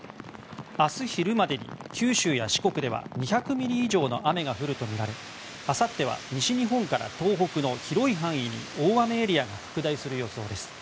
明日、昼までに九州や四国では２００ミリ以上の雨が降るとみられていてあさっては西日本から東北の広い範囲に大雨エリアが拡大する予想です。